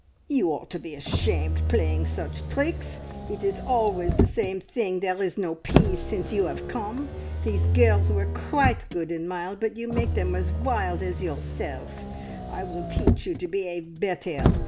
"You ought to be ashamed playing such treecks! It is always the same thing there is no peace since you 'ave come. These girls were quite good and mild, but you make them as wild as yourself. I will teach you to be'ave better.